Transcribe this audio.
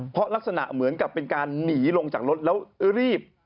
เพราะลักษณะเหมือนกับเป็นการหนีลงจากรถแล้วรีบ